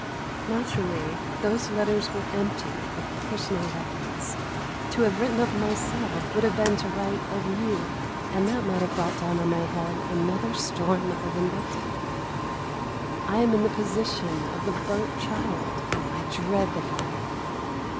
Naturally those letters were empty of personal reference. To have written of myself would have been to write of you, and that might have brought down on my head another storm of invective. I am in the position of the burnt child: I dread the fire.